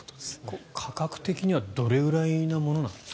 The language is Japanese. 価格的にはどれぐらいなものなんですか。